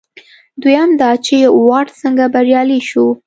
دویم دا چې واټ څنګه بریالی شو.